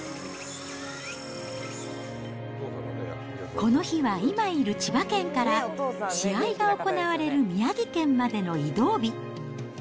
この日は、今いる千葉県から、試合が行われる宮城県までの移動日。